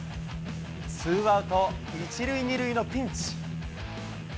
ツーアウト１塁２塁のピンチ。